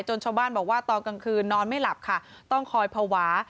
ชาวบ้านบอกว่าตอนกลางคืนนอนไม่หลับค่ะต้องคอยภาวะ